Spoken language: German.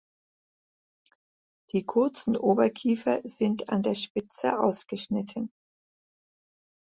Die kurzen Oberkiefer sind an der Spitze ausgeschnitten.